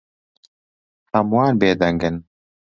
هەمووان بێدەنگن.